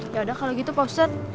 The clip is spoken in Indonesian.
ya udah kalau gitu pak ustadz